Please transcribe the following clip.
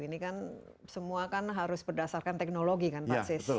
ini kan semua kan harus berdasarkan teknologi kan pak sis